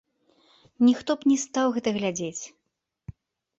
Ніхто б не стаў гэта глядзець.